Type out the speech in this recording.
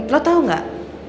lo tau gak